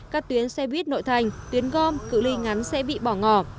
các tuyến xe buýt nội thành tuyến gom cử ly ngắn sẽ bị bỏ ngỏ